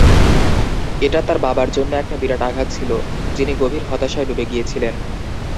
এটা তার বাবার জন্য এক বিরাট আঘাত ছিল, যিনি গভীর হতাশায় ডুবে গিয়েছিলেন।